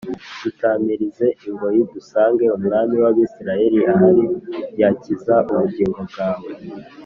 dutamirize ingoyi dusange umwami w’Abisirayeli, ahari yakiza ubugingo bwawe”